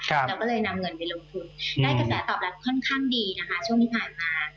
เราก็เลยนำเงินไปลงทุนได้กระแสตอบรับค่อนข้างดีนะคะช่วงที่ผ่านมา